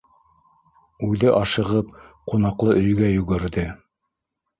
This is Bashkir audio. Үҙе ашығып ҡунаҡлы өйгә йүгерҙе.